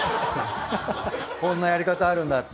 こんなやり方あるんだって。